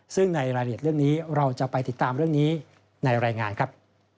ซึ่งในรายละเอียดเรื่องนี้เราจะไปติดตามเรื่องนี้ในรายงานครับ